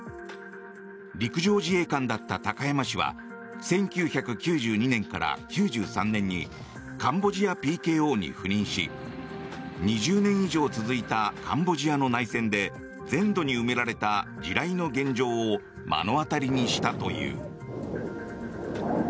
陸上自衛官だった高山氏は１９９２年から９３年にカンボジアＰＫＯに赴任し２０年以上続いたカンボジアの内戦で全土に埋められた地雷の現状を目の当たりにしたという。